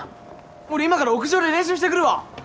俺今から屋上で練習してくるわ。